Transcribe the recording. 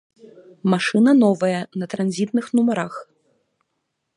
Машына новая, на транзітных нумарах.